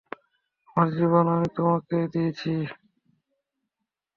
আমার জীবন আমি তোমাকে দিয়েছি।